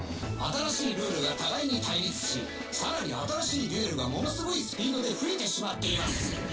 新しいルールが互いに対立し更に新しいルールがものすごいスピードで増えてしまっています。